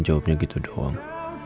jawabnya gitu doang